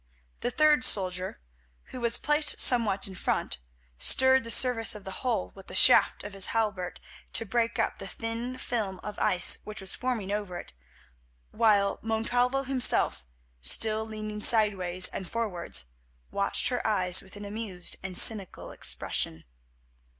The third soldier, who was placed somewhat in front, stirred the surface of the hole with the shaft of his halbert to break up the thin film of ice which was forming over it, while Montalvo himself, still leaning sideways and forwards, watched her eyes with an amused and cynical expression.